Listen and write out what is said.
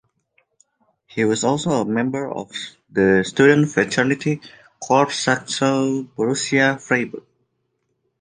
He was also a member of the student fraternity "Corps Saxo-Borussia Freiberg".